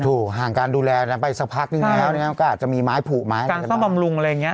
ถูกห่างการดูแลนะไปสักพักนึงแล้วในเรือนี้มันก็อาจจะมีไม้ผูกไม้